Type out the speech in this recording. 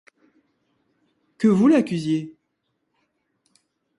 Que vous l'accusiez !